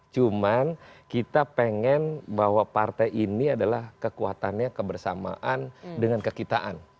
cuman kita pengen bahwa partai ini adalah kekuatannya kebersamaan dengan kekitaan